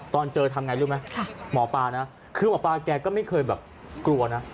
ตอนเจอทำไงรู้ไหมหมอปลานะคือหมอปลาแกก็ไม่เคยแบบกลัวนะ